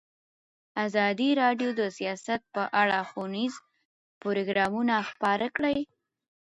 ازادي راډیو د سیاست په اړه ښوونیز پروګرامونه خپاره کړي.